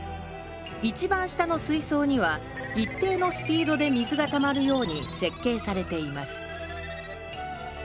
一番下の水槽には一定のスピードで水がたまるように設計されています